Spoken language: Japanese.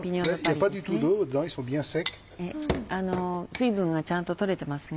水分がちゃんと取れてますね。